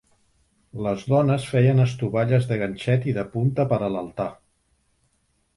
Les dones feien estovalles de ganxet i de punta per a l'altar.